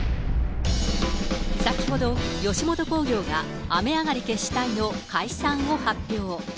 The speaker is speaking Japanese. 先ほど、吉本興業が雨上がり決死隊の解散を発表。